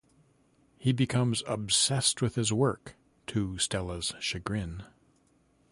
He becomes obsessed with his work, to Stella's chagrin.